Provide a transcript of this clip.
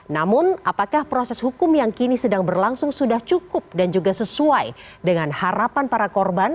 namun apakah proses hukum yang kini sedang berlangsung sudah cukup dan juga sesuai dengan harapan para korban